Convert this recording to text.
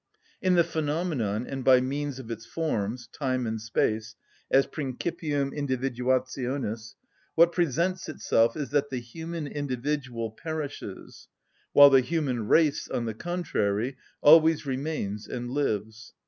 In the phenomenon, and by means of its forms, time and space, as principium individuationis, what presents itself is that the human individual perishes, while the human race, on the contrary, always remains and lives.